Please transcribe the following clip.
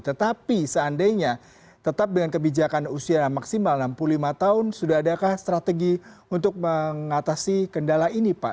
tetapi seandainya tetap dengan kebijakan usia maksimal enam puluh lima tahun sudah adakah strategi untuk mengatasi kendala ini pak